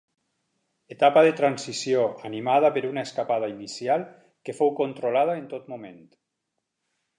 Etapa de transició animada per una escapada inicial que fou controlada en tot moment.